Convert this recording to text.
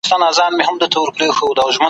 شرنګول مي غزلونه هغه نه یم ,